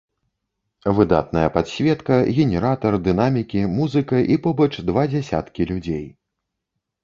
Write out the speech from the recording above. Выдатная падсветка, генератар, дынамікі, музыка і побач два дзясяткі людзей.